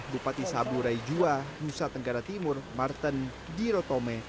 bupati sabu raijua nusa tenggara timur martendiratome